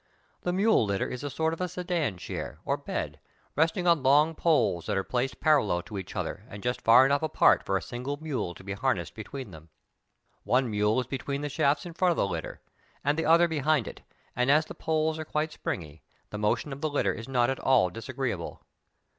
The mule litter is a sort of a sedan chair, or bed, resting on long poles that are placed parallel to each other and just far enough apart for a single mule to be harnessed between them. One mule is between the shafts in front of the litter, and the other behind it, and as the poles are quite springy, the motion of the litter is not at all disagreeable.